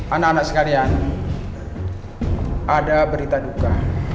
anak anak sekalian ada berita duka